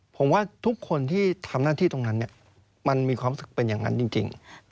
ผมว่าทุกคนที่ทำหน้าที่ตรงนั้นมันมีความรู้สึกเป็นอย่างนั้นจริง